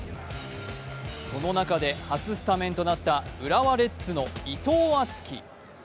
その中で初スタメンとなった浦和レッズの伊藤敦樹。